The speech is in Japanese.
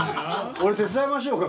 俺手伝いましょうか。